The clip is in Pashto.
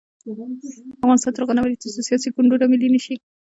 افغانستان تر هغو نه ابادیږي، ترڅو سیاسي ګوندونه ملي نشي.